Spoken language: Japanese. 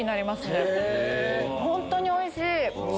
本当においしい！